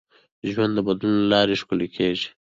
ژوند د بدلون له لارې ښکلی کېږي.